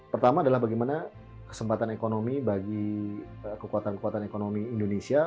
pertama adalah bagaimana kesempatan ekonomi bagi kekuatan kekuatan ekonomi indonesia